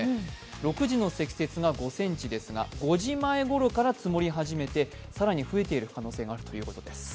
６時の積雪は５ｃｍですが５時前ぐらいから降り始めて更に増えている可能性があるということです。